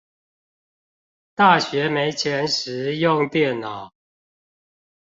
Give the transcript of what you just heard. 大學沒錢時用電腦